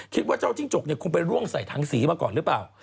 คิดว่าเจ้าจิ้งจกเนี่ยคงไปร่วงใส่ถังสีมาก่อนหรือเปล่า